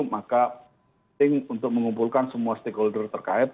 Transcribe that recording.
maka penting untuk mengumpulkan semua stakeholder terkait